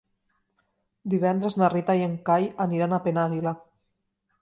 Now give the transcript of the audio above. Divendres na Rita i en Cai aniran a Penàguila.